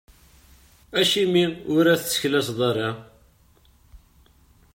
Acimi ur tesseklaseḍ ara?